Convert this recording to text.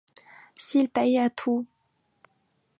S’ils payaient tous !